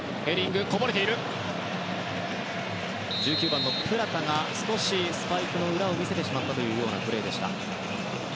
１９番、プラタが少しスパイクの裏を見せてしまったというプレーでした。